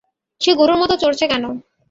সে গরুর মতো চরছে কেন?